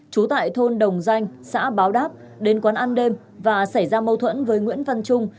trú tại thôn đồng danh xã báo đáp đến quán ăn đêm và xảy ra mâu thuẫn với nguyễn văn trung